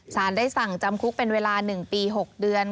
ได้สั่งจำคุกเป็นเวลา๑ปี๖เดือน